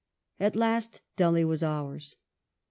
At last Delhi was ours.